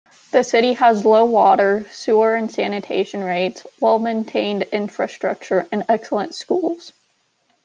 The city has low water, sewer and sanitation rates, well-maintained infrastructure, and excellent schools.